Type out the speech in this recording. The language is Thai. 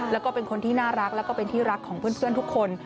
แล้วก็เป็นคนที่น่ารักแล้วก็เป็นที่รักของเพื่อนทุกคน